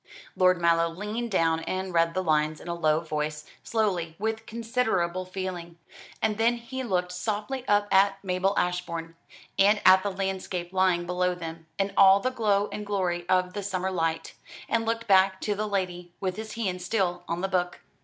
Lord Mallow leaned down and read the lines in a low voice, slowly, with considerable feeling; and then he looked softly up at Mabel Ashbourne, and at the landscape lying below them, in all the glow and glory of the summer light, and looked back to the lady, with his hand still on the book.